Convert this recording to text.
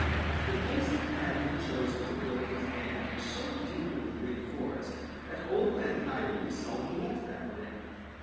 The place that Paddy had chosen to build his dam was so deep in the Green Forest that Old Man Coyote seldom went that way.